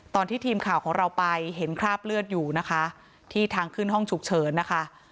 ตอนที่ทีมข่าวของเราไปเห็นคราบเลือดอยู่นะคะที่ทางขึ้นห้องฉุกเฉินนะคะ